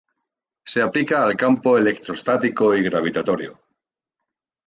Se aplica al campo electrostático y al gravitatorio.